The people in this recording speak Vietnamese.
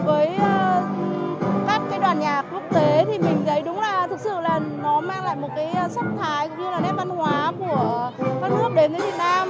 với các cái đoàn nhạc quốc tế thì mình thấy đúng là thực sự là nó mang lại một cái sắc thái cũng như là nét văn hóa của các nước đến với việt nam